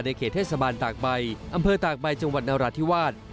ในเขตเทศะบานตากใบอำเภอตากใบจังหวัดนรถรัฐีวาต